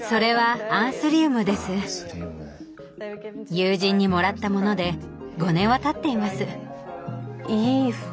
友人にもらったモノで５年はたっています。